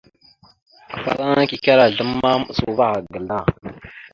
Afalaŋa kikera azlam ma, maɓəsa uvah agal da.